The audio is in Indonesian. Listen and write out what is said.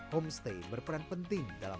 homestay berperan penting dalam